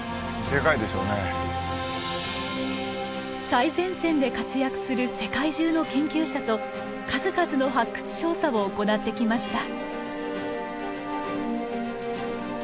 最前線で活躍する世界中の研究者と数々の発掘調査を行ってきました。